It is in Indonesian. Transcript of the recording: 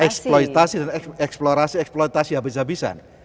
eksploitasi dan eksplorasi eksploitasi habis habisan